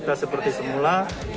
kita bisa beraktifitas semula